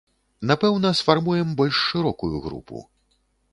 Напэўна, сфармуем больш шырокую групу.